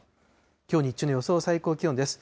きょう日中の予想最高気温です。